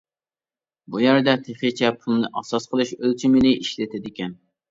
بۇ يەردە تېخىچە پۇلىنى ئاساس قىلىش ئۆلچىمىنى ئىشلىتىدىكەن.